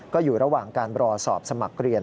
ก็อยู่ระหว่างการรอสอบสมัครเรียน